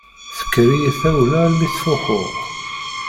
Tekker-iyi tawla almi ttfuḥuɣ.